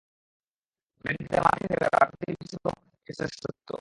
Bat হাতে মাঠে নেমে প্রায় প্রতিটি ম্যাচেই প্রমাণ করেছেন নিজের শ্রেষ্ঠত্ব।